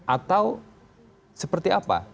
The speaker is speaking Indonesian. atau seperti apa